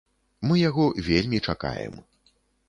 Мы яго вельмі чакаем.